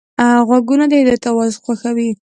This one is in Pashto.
غوږونه د هدایت اواز خوښوي